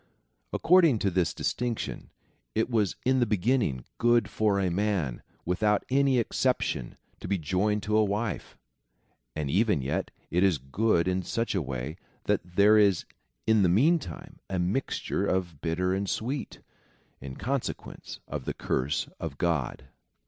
According to this distinc tion, it was in the beginning good for a man, without any exception, to be joined to a wife, and even yet, it is good in such a way, that there is in the meantime a mixture of bitter and sweet, in consequence of the curse of God.